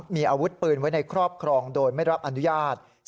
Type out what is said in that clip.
มีอาวุธปืนไว้ในครอบครองโดยไม่รับอนุญาต